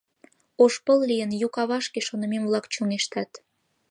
Ош пыл лийын, ю кавашке шонышем-влак чоҥештат.